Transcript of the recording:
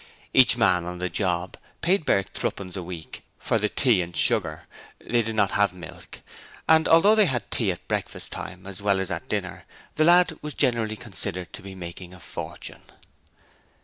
Each man on the 'job' paid Bert threepence a week for the tea and sugar they did not have milk and although they had tea at breakfast time as well as at dinner, the lad was generally considered to be making a fortune.